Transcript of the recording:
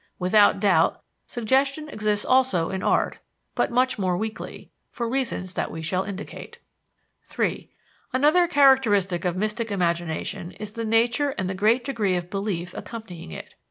Without doubt suggestion exists also in art, but much more weakly, for reasons that we shall indicate. (3) Another characteristic of mystic imagination is the nature and the great degree of belief accompanying it.